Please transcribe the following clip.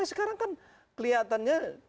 sekarang kan kelihatannya